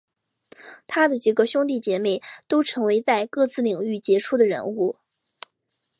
他的几个兄弟姐妹都成为在各自领域杰出的人物。